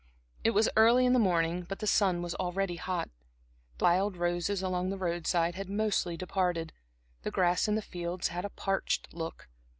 It was early in the morning, but the sun was already hot. The wild roses along the road side had mostly departed, the grass in the fields had a parched look.